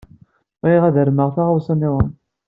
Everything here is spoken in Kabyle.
Bɣiɣ ad armeɣ taɣawsa niḍen.